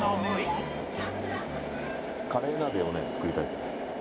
カレー鍋をね作りたいと思います。